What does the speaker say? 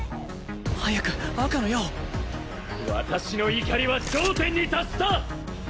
早く赤の矢を私の怒りは頂点に達した！